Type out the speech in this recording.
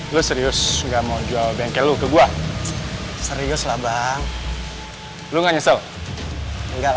lu serius nggak mau jual bengkel lu ke gua seriuslah bang lu nggak nyesel enggak